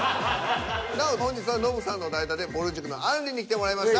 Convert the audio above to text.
なお本日はノブさんの代打でぼる塾のあんりに来てもらいました。